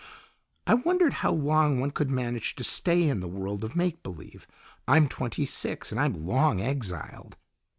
"I wondered how long one could manage to stay in the world of make believe. I'm twenty six, and I'm long exiled."